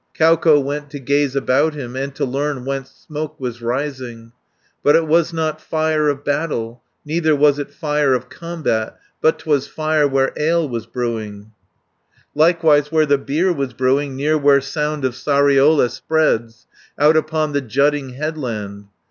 Kauko went to gaze about him, And to learn whence smoke was rising, But it was not fire of battle, Neither was it fire of combat, 480 But 'twas fire where ale was brewing, Likewise where the beer was brewing, Near where Sound of Sariola spreads, Out upon the jutting headland.